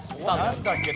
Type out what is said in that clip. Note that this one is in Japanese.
なんだっけ？